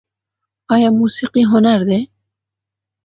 آیا موسیقي هنر دی؟